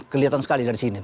kelihatan sekali dari sini